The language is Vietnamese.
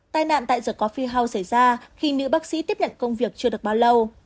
tài nạn tại the coffee house xảy ra khi nữ bác sĩ tiếp nhận công việc chưa được bao lâu